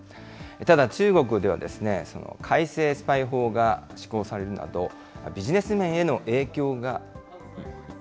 ただ、中国では改正スパイ法が施行されるなど、ビジネス面への影響が。